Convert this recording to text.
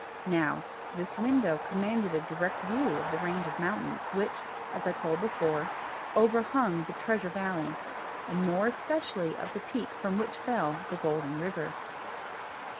Now this window commanded a direct view of the range of mountains, which, as I told before, overhung the Treasure Valley, and more especially of the peak from which fell the Golden River.